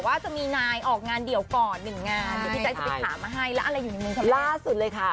แต่ว่าจะมีนายออกงานเดียวก่อน๑งานพี่ใจจะไปถามมาให้แล้วอะไรอยู่ในมือค่ะล่าสุดเลยค่ะ